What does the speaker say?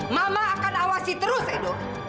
mama akan awasi terus edo